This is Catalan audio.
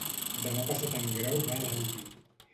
Demà passat en Grau va a l'Albi.